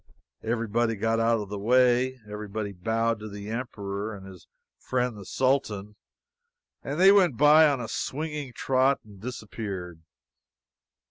Everybody got out of the way; everybody bowed to the Emperor and his friend the Sultan; and they went by on a swinging trot and disappeared.